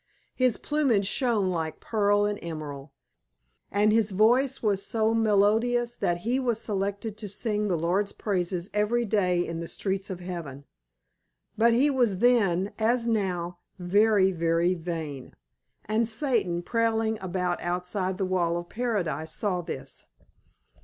His plumage shone like pearl and emerald, and his voice was so melodious that he was selected to sing the Lord's praises every day in the streets of heaven. But he was then, as now, very, very vain; and Satan, prowling about outside the wall of Paradise, saw this.